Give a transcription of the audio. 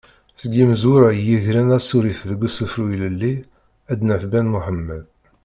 Seg yimezwura i yegren asurif deg usefru ilelli ad naf Ben Muḥemmed.